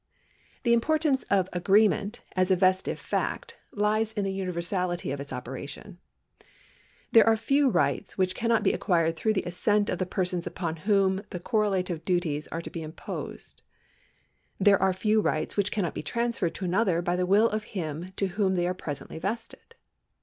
The importance of agreement as a vestitive fact lies in the universality of its operation. There are few rights which cannot be acquired through the assent of the persons upon whom the correlative duties are to be imposed. There are few rights which cannot be transferred to another by the will of him in whom they are presently vested.